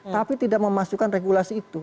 tapi tidak memasukkan regulasi itu